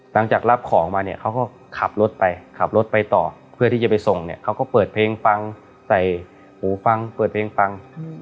หลังจากรับของมาเนี่ยเขาก็ขับรถไปขับรถไปต่อเพื่อที่จะไปส่งเนี่ยเขาก็เปิดเพลงฟังใส่หูฟังเปิดเพลงฟัง